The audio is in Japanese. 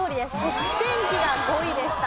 食洗機が５位でした。